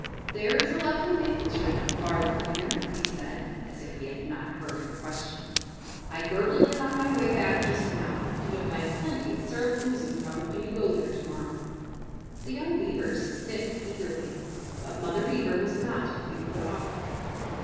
"There is a lovely maple tree not far from here," he said, as if he had not heard her question. "I girdled it on my way back just now, and you'll find plenty of syrup oozing from it if you go there to morrow." The young Beavers sniffed eagerly, but Mother Beaver was not to be put off.